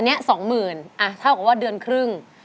อันนี้๒๐๐๐เท่ากับว่าเดือนครึ่ง